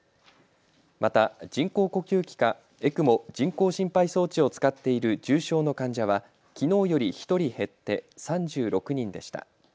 また人工呼吸器かＥＣＭＯ・人工心肺装置を使っている重症の患者はきのうより１人減って３６人でした。